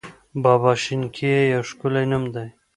بابا شینکیه یو ښکلی نوم دی.